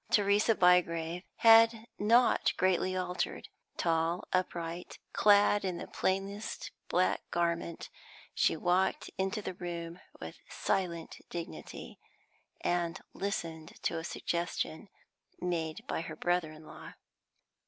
Theresa Bygrave had not greatly altered; tall, upright, clad in the plainest black garment, she walked into the room with silent dignity, and listened to a suggestion made by her brother in law.